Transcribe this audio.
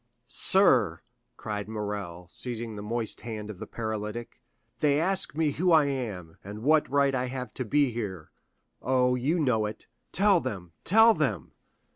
"Sir," cried Morrel, seizing the moist hand of the paralytic, "they ask me who I am, and what right I have to be here. Oh, you know it, tell them, tell them!"